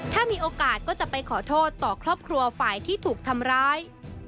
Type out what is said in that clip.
ถ้ามีโอกาสก็จะไปขอโทษต่อครอบครัวฝ่ายที่ถูกทำร้าย